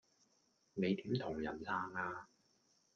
你點同人撐呀